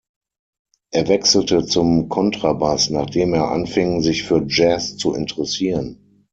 Er wechselte zum Kontrabass, nachdem er anfing, sich für Jazz zu interessieren.